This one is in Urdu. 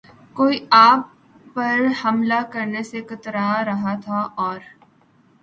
کوئی آپ پر حملہ کرنے سے کترا رہا تھا اور